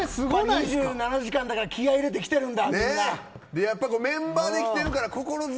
２７時間だからみんな気合入れてきてるんだ。